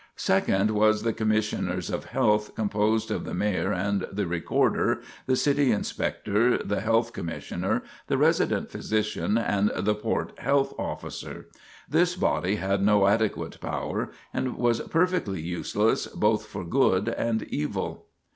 Second, was the Commissioners of Health, composed of the Mayor and the Recorder, the City Inspector, the Health Commissioner, the Resident Physician, and the Port Health Officer. This body had no adequate power and was perfectly useless both for good and evil.